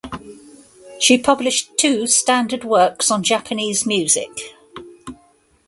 She published two standard works on Japanese music.